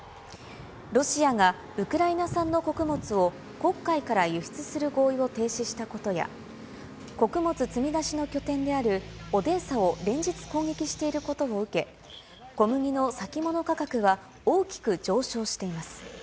ロシアがウクライナ産の穀物を、黒海から輸出する合意を停止したことや、穀物積み出しの拠点であるオデーサを連日攻撃していることを受け、小麦の先物価格は、大きく上昇しています。